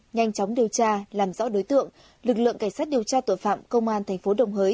nhanh chóng điều tra làm rõ đối tượng lực lượng cảnh sát điều tra tội phạm công an thành phố đồng hới